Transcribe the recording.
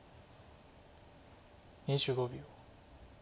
２５秒。